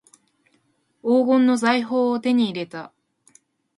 黄金の財宝を手に入れた